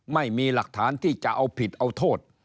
ไม่มีหลักฐานที่จะเอาผิดเอาโทษ